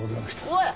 おい！